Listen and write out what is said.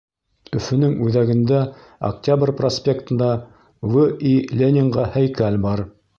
Өфөнөң үҙәгендә Октябрь проспектында В. И. Ленинға һәйкәл бар.